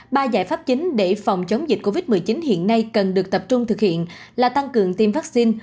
ba giải pháp chính để phòng chống dịch covid một mươi chín hiện nay cần được tập trung thực hiện là tăng cường tiêm vaccine